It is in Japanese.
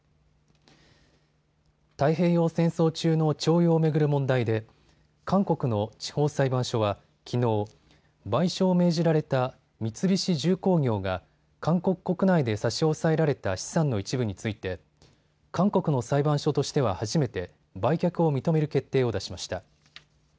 太平洋戦争中の徴用を巡る問題で韓国の地方裁判所はきのう、賠償を命じられた三菱重工業が韓国国内で差し押さえられた資産の一部について韓国の裁判所としては初めて売却を認める決定を出しました。